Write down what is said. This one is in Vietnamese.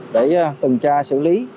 để từng tra xử lý